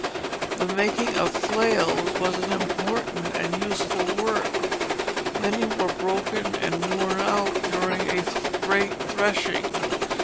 The making of flails was an important and useful work. Many were broken and worn out during a great threshing.